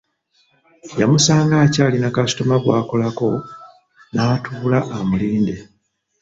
Yamusanga akyalina kasitoma gw'akolako, n'atuula amulindde.